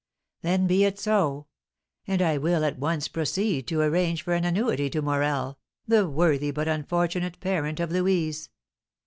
"Then be it so! And I will at once proceed to arrange for an annuity to Morel, the worthy but unfortunate parent of Louise.